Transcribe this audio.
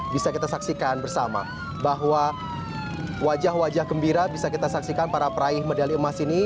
bisa kita saksikan bersama bahwa wajah wajah gembira bisa kita saksikan para peraih medali emas ini